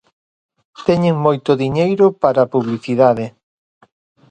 Teñen moito diñeiro para publicidade.